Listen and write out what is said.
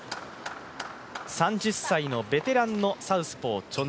３０歳のベテランのサウスポーチョン